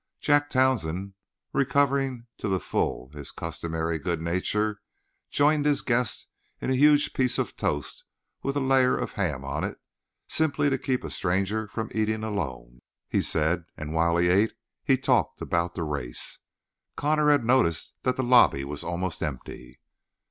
Jack Townsend, recovering to the full his customary good nature, joined his guest in a huge piece of toast with a layer of ham on it simply to keep a stranger from eating alone, he said and while he ate he talked about the race. Connor had noticed that the lobby was almost empty.